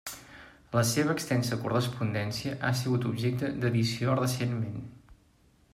La seva extensa correspondència ha sigut objecte d'edició recentment.